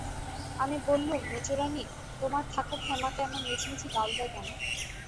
আমি বললুম, মেজোরানী, তোমার থাকো ক্ষেমাকে এমন মিছিমিছি গাল দেয় কেন?